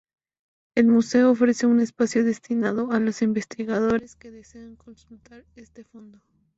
El Museo ofrece un espacio destinado a los investigadores que deseen consultar este fondo.